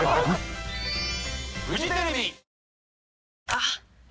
あっ！